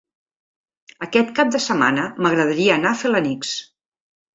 Aquest cap de setmana m'agradaria anar a Felanitx.